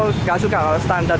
nggak suka kalau standar